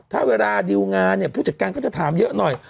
ถ้าเวลาดิวงานเนี่ยผู้จัดการก็จะถามเยอะหน่อย